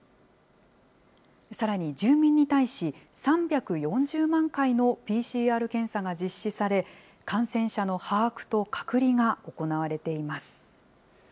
さらに住民に対し、３４０万回のＰＣＲ検査が実施され、感染者の把握と隔離が行われています。